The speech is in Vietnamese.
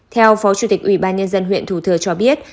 theo phó chủ tịch ubnd huyện thủ thừa cho biết